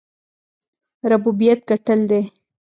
ربوبیت ګټل دی.